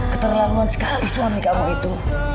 keterlaluan sekali suami kamu itu